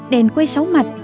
đèn quay sáu mặt